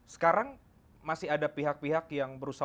sekarang masih ada pihak pihak yang berusaha